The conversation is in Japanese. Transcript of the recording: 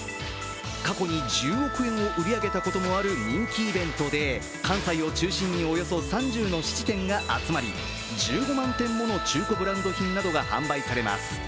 過去に１０億円を売り上げたこともある人気イベントで関西を中心におよそ３０の質店が集まり、１５万点もの中古ブランド品などが販売されます。